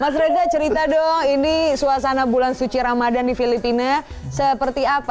mas reza cerita dong ini suasana bulan suci ramadan di filipina seperti apa